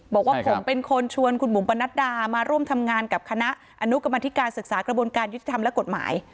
บอกว่าผมเป็นคนชวนคุณบุ๋มปนัดดามาร่วมทำงานกับคณะอนุกรรมธิการศึกษากระบวนการยุติธรรมและกฎหมาย